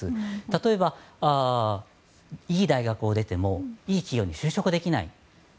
例えば、いい大学を出てもいい企業に就職ができない。